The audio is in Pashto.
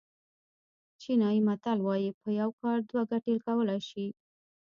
چینایي متل وایي په یو کار دوه ګټې کولای شي.